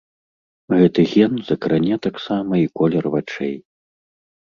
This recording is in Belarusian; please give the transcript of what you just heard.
Гэты ген закране таксама і колер вачэй.